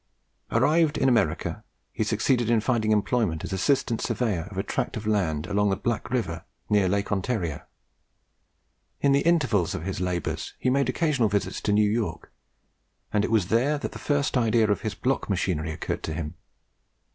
Arrived in America, he succeeded in finding employment as assistant surveyor of a tract of land along the Black River, near Lake Ontario. In the intervals of his labours he made occasional visits to New York, and it was there that the first idea of his block machinery occurred to him.